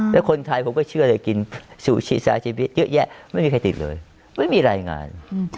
แล้วคนไทยผมก็เชื่อเลยกินซูชิซาชิวิเยอะแยะไม่มีใครติดเลยไม่มีรายงาน